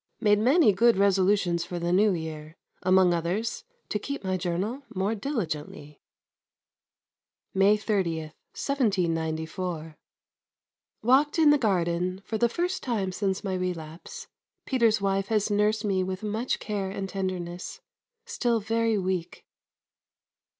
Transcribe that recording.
Made many good resolutions for the New Year. Among others to keep my journal more diligently. May 30, 1794. Walked in the garden for the first time since my relapse. Peter's wife has nursed me with much care and tenderness. Still very weak.